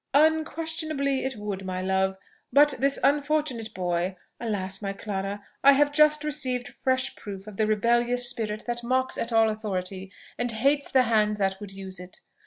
"Unquestionably it would, my love; but this unfortunate boy! Alas, my Clara! I have just received fresh proof of the rebellious spirit that mocks at all authority, and hates the hand that would use it.